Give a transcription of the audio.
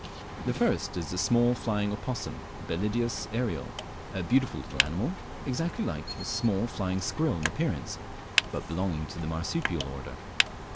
The first is the small flying opossum, Belideus ariel, a beautiful little animal, exactly line a small flying squirrel in appearance, but belonging to the marsupial order.